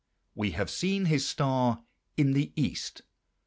"We have seen his star in the east."